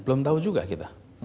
belum tahu juga kita